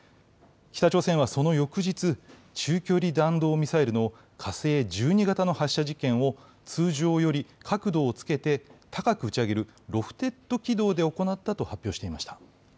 北朝鮮はその翌日、中距離弾道ミサイルの火星１２型の発射実験を通常より角度をつけて高く打ち上げるロフテッド軌道で行ったと発表していました。